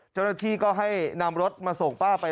เจ้าหน้าที่ก็ให้นำรถมาส่งป้าไป